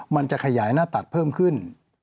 มันจะขยายหน้าตักเพิ่มขึ้น